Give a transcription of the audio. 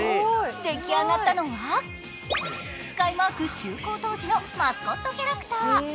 出来上がったのはスカイマーク就航当時のマスコットキャラクター。